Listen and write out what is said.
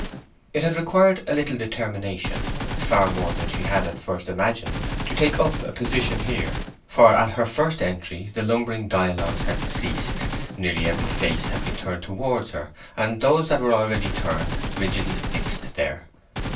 It had required a little determination—far more than she had at first imagined—to take up a position here, for at her first entry the lumbering dialogues had ceased, nearly every face had been turned towards her, and those that were already turned rigidly fixed there.